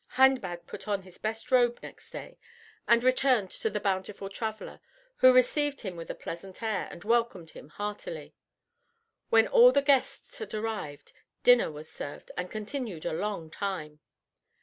Hindbad put on his best robe next day, and returned to the bountiful traveller, who received him with a pleasant air, and welcomed him heartily. When all the guests had arrived, dinner was served, and continued a long time.